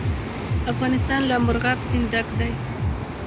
افغانستان له مورغاب سیند ډک دی.